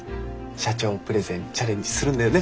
社長プレゼンチャレンジするんだよね。